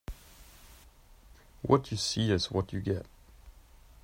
What you see is what you get.